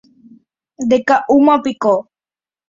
Ndeka'úmapiko